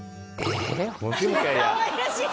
かわいらしい！